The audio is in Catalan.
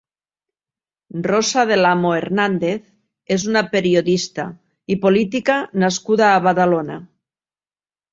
Rosa del Amo Hernández és una periodista i política nascuda a Badalona.